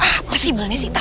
nanti apa sih belanya sih